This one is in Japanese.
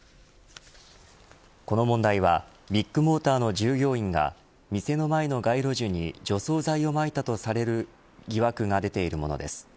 この問題はビッグモーターの従業員が店の前の街路樹に除草剤をまいたとされる疑惑が出ているものです。